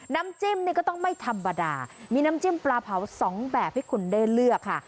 น้ำจิ้มนี่ก็ต้องไม่ธรรมดามีน้ำจิ้มปลาเผาสองแบบให้คุณได้เลือกค่ะ